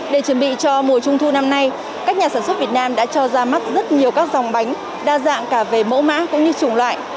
để chuẩn bị cho mùa trung thu năm nay các nhà sản xuất việt nam đã cho ra mắt rất nhiều các dòng bánh đa dạng cả về mẫu mã cũng như chủng loại